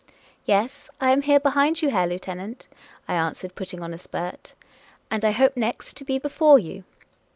" Yes, I am here, behind you, Herr Lieutenant," I an swered, putting on a spurt ;" and I hope next to be before you."